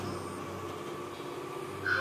آيا د روغتيايي خدماتو اوسنی کيفيت د ډاډ وړ دی؟